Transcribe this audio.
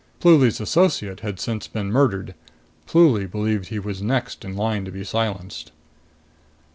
Pluly's associate had since been murdered. Pluly believed he was next in line to be silenced.